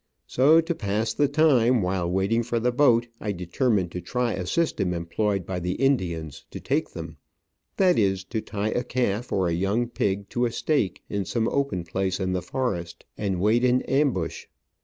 So, to pass the time while waiting for the boat, I determined to try a system employed by the Indians to take them — that is, to tie a calf or a young pig to a stake in some open place in the forest and wait A STREET IN RODEGA CLNTRAL. in ambush.